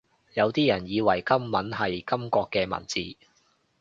有啲人以為金文係金國嘅文字